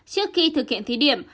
trước khi thực hiện thí điểm